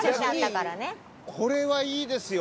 これはいいですよ。